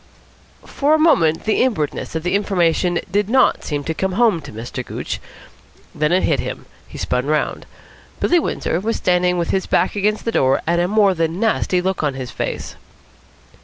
For a moment the inwardness of the information did not seem to come home to Mr. Gooch. Then it hit him. He spun round. Billy Windsor was standing with his back against the door and a more than nasty look on his face.